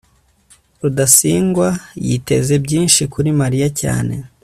rudasingwa yiteze byinshi kuri mariya cyane